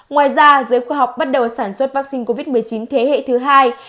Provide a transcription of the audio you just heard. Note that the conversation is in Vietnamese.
ngoài ra giới khoa học bắt đầu sản xuất vaccine covid một mươi chín thế hệ thứ hai